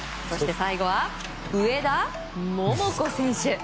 そして最後は上田桃子選手。